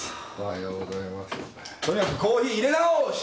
とにかくコーヒー入れ直し！